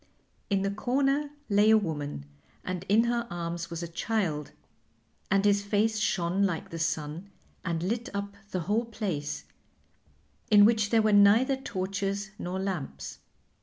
In the corner lay a woman, and in her arms was a child and his face shone like the sun and lit up the whole place, in which there were neither torches nor lamps.